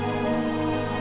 aku mau makan